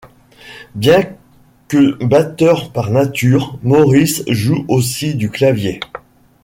Bien que batteur par nature, Morris joue aussi du clavier.